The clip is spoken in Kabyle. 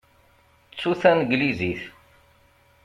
Ttu taneglizit.